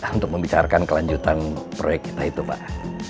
untuk membicarakan kelanjutan proyek kita itu pak